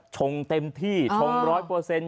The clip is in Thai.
ชงเต็มที่ชง๑๐๐ประเภท